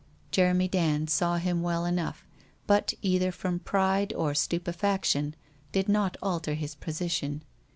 Jeremy Dand saw him well enough, but either from pride or stupefaction, did not alter his position.